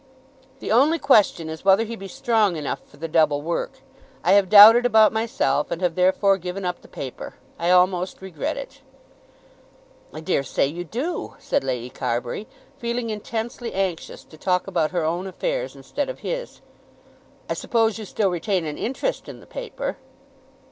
"The only question is whether he be strong enough for the double work. I have doubted about myself, and have therefore given up the paper. I almost regret it." "I dare say you do," said Lady Carbury, feeling intensely anxious to talk about her own affairs instead of his. "I suppose you still retain an interest in the paper?"